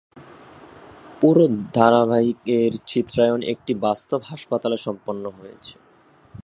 পুরো ধারাবাহিকের চিত্রায়ন একটি বাস্তব হাসপাতালে সম্পন্ন হয়েছে।